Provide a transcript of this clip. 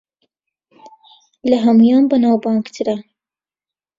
لە ھەموویان بەناوبانگترە